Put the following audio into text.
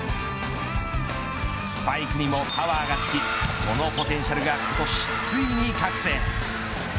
スパイクにもパワーがつきそのポテンシャルが今年ついに覚醒。